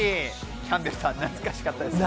キャンベルさん、懐かしかったですよね。